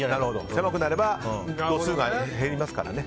狭くなれば度数が減りますからね。